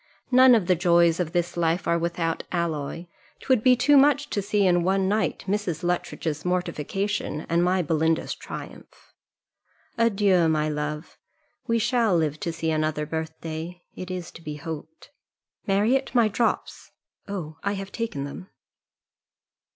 None of the joys of this life are without alloy! 'Twould be too much to see in one night Mrs. Luttridge's mortification, and my Belinda's triumph. Adieu! my love: we shall live to see another birthday, it is to be hoped. Marriott, my drops. Oh, I have taken them."